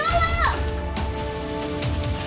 tunggu jangan cerita kakak dulu